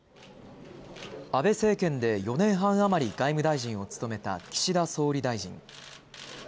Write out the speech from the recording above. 安倍政権で４年半余り外務大臣を務めた岸田総理大臣。